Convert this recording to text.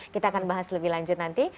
kita akan bahas lebih lanjut nanti